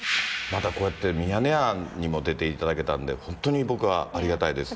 またこうやって、ミヤネ屋にも出ていただけたんで、本当に僕は、ありがたいです。